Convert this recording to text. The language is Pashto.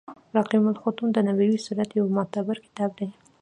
رحيق المختوم د نبوي سیرت يو معتبر کتاب دی.